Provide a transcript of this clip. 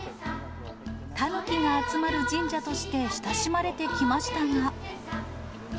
タヌキが集まる神社として親しまれてきましたが。